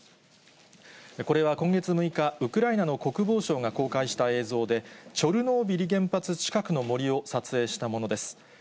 これは今月６日、ウクライナの国防省が公開した映像で、チョルノービリ原発近くの森を撮影したものです。